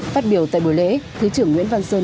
phát biểu tại buổi lễ thứ trưởng nguyễn văn sơn